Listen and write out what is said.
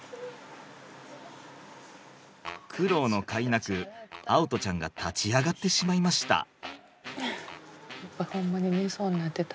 苦労のかいなく蒼人ちゃんが立ち上がってしまいました。